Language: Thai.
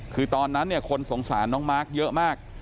คือตอนนั้นเนี่ยคนสงสารน้องมาร์คเยอะมาก